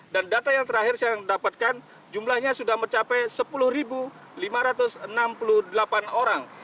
dan data yang terakhir yang saya dapatkan jumlahnya sudah mencapai sepuluh lima ratus enam puluh delapan orang